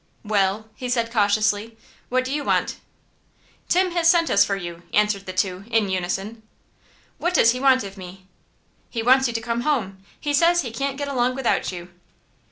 "Well," he said, cautiously, "what do you want?" "Tim has sent us for you!" answered the two, in unison. "What does he want of me?" "He wants you to come home. He says he can't get along without you."